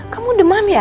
kamu demam ya